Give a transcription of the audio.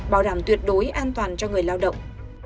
bảo đảm tuyệt đối an toàn cho người lao động